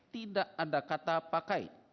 tidak ada kata pakai